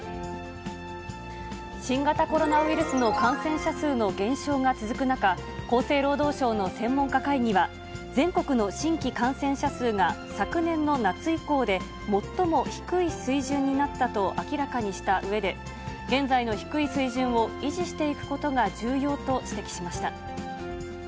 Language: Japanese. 新型コロナウイルスの感染者数の減少が続く中、厚生労働省の専門家会議は、全国の新規感染者数が昨年の夏以降で最も低い水準になったと明らかにしたうえで、現在の低い水準を維持していくことが重要と指摘しました。